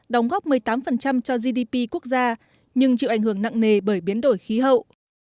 đóng góp một mươi tám cho gdp quốc gia nhưng chịu ảnh hưởng nặng nề bởi biến đổi khí hậu